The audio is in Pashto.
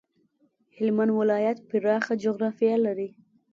هلمند ولایت پراخه جغرافيه لري.